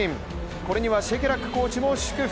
これにはシェケラックコーチも祝福。